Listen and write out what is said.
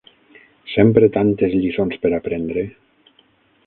Sempre tantes lliçons per aprendre!